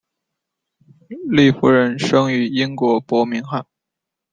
李福仁生于英国伯明翰。